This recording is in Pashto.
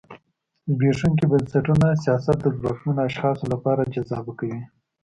زبېښونکي بنسټونه سیاست د ځواکمنو اشخاصو لپاره جذابه کوي.